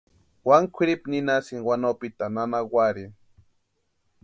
Wani kwʼiripu ninhasïnti wanopitani nana warhini.